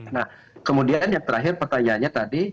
nah kemudian yang terakhir pertanyaannya tadi